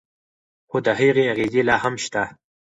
خو د هغې اغیزې لا هم شته.